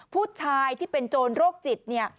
ผู้ชายที่เป็นโจรโรคจิตเนี่ย